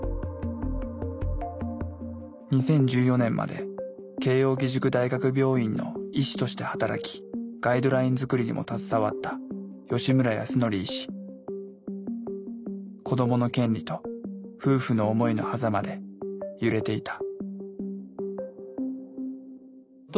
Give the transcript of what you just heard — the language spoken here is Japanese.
２０１４年まで慶應義塾大学病院の医師として働きガイドライン作りにも携わった子どもの権利と夫婦の思いのはざまで揺れていた。